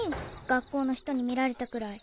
学校の人に見られたくらい。